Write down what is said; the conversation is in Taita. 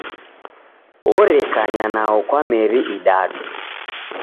Orekanya nao kwa meri idadu.